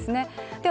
では